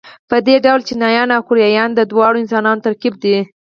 په دې ډول چینایان او کوریایان د دواړو انسانانو ترکیب دي.